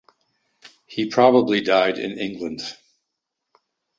He probably died in England.